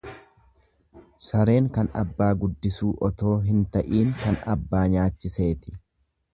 Sareen kan abbaa guddisuu otoo hin ta'iin kan abbaa nyaachiseeti.